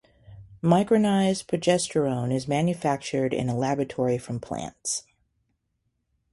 Micronized progesterone is manufactured in a laboratory from plants.